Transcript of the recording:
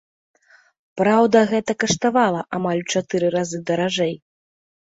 Праўда, гэта каштавала амаль у чатыры разы даражэй.